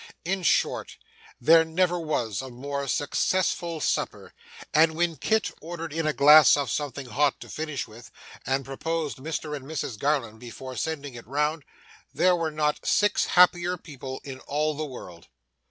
In short, there never was a more successful supper; and when Kit ordered in a glass of something hot to finish with, and proposed Mr and Mrs Garland before sending it round, there were not six happier people in all the world.